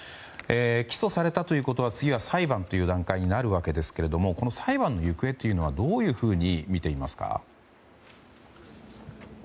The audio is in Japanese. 起訴されたということは次は裁判という段階になりますがこの裁判の行方はどうみていますか？